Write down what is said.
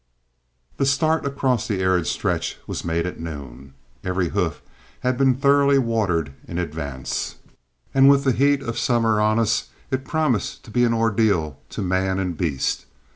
The start across the arid stretch was made at noon. Every hoof had been thoroughly watered in advance, and with the heat of summer on us it promised to be an ordeal to man and beast.